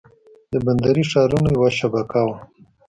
د بندري ښارونو یوه شبکه وه.